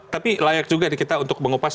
tapi layak juga kita untuk mengupas